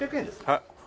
はい。